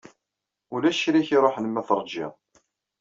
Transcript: Ulac kra ek-ruḥen ma teṛjiḍ.